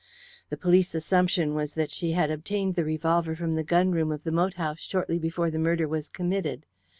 The police assumption was that she had obtained the revolver from the gun room of the moat house shortly before the murder was committed.